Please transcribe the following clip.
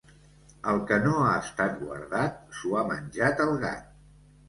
El que no ha estat guardat, s'ho ha menjat el gat.